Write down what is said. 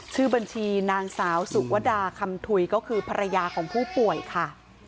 ชื่อบัญชีนางสาวสุวดาคำถุยก็คือภรรยาของผู้ป่วยค่ะ